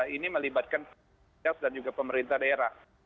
ini melibatkan das dan juga pemerintah daerah